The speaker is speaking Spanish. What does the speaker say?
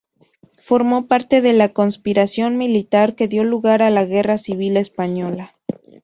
Formó parte de la conspiración militar que dio lugar a la Guerra civil española.